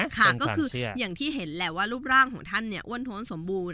อย่างที่เห็นแหละว่ารูปร่างของท่านเนี่ยอ้วนโทนสมบูรณ์